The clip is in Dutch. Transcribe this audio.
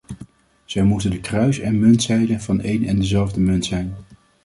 Zij moeten de kruis- en muntzijde van een en dezelfde munt zijn.